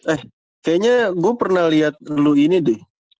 eh kayaknya gue pernah lihat dulu ini deh